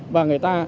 và người ta